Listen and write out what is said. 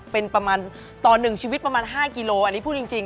เป็นประมาณต่อ๑ชีวิตประมาณ๕กิโลอันนี้พูดจริง